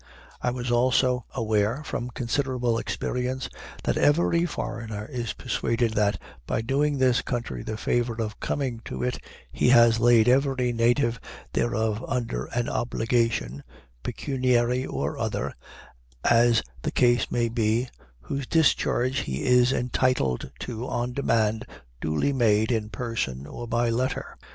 I was also aware, from considerable experience, that every foreigner is persuaded that, by doing this country the favor of coming to it, he has laid every native thereof under an obligation, pecuniary or other, as the case may be, whose discharge he is entitled to on demand duly made in person or by letter.